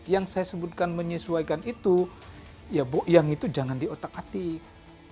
yang saya sebutkan menyesuaikan itu ya bu yang itu jangan diotak atik